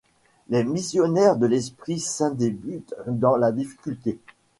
Les Missionnaires de l'Esprit-Saint débutent dans la difficulté.